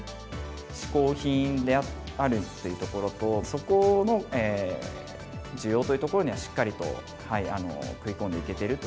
しこう品であるっていうところと、そこの需要というところにはしっかりと食い込んでいけてると。